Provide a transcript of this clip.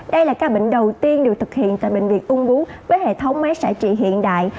đây là ca bệnh đầu tiên được thực hiện tại bệnh viện ung bú với hệ thống máy xã trị hiện đại